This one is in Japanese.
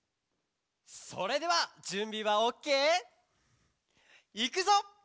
それではじゅんびはオッケー？いくぞ！